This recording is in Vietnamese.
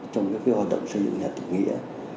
trong các hoạt động xây dựng nhà tỉnh nghĩa